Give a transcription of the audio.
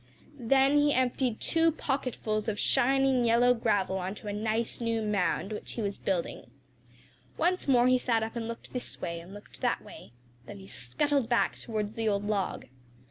Then he emptied two pocketfuls of shining yellow gravel on to a nice new mound which he was building. Once more he sat up and looked this way and looked that way. Then he scuttled back towards the old log.